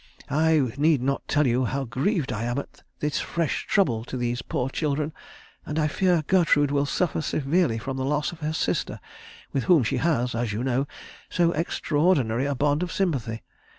I need not tell you how grieved I am at this fresh trouble to these poor children, and I fear Gertrude will suffer severely from the loss of her sister, with whom she has, as you know, so extraordinary a bond of sympathy.